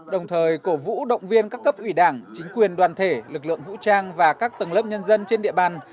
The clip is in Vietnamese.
đồng thời cổ vũ động viên các cấp ủy đảng chính quyền đoàn thể lực lượng vũ trang và các tầng lớp nhân dân trên địa bàn